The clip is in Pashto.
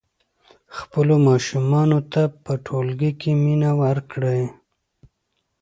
خپلو ماشومانو ته په ټولګي کې مینه ورکړئ.